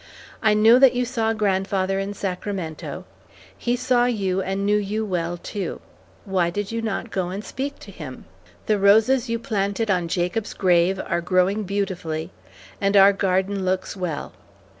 I know that you saw grandfather in Sacramento; he saw you and knew you well too. Why did you not go and speak to him? The roses you planted on Jacob's grave are growing beautifully, and our garden looks well.